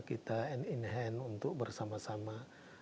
kita and in hand untuk bersama sama